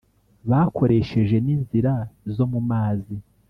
Bakoresheje n’inzira zo mu mazi